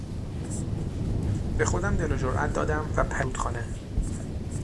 به خودم دل و جرات دادم و پریدم توی رودخانه.